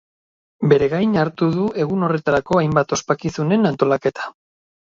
Bere gain hartu du egun horretako hainbat ospakizunen antolaketa.